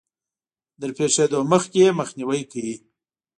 تر پېښېدو مخکې يې مخنيوی کوي.